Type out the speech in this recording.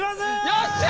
よっしゃ！